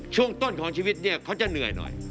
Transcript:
ช่วงต้นของชีวิตเนี่ยเขาจะเหนื่อยหน่อย